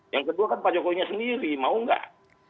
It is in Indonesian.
yang kedua kan pak jokowinya sendiri mau nggak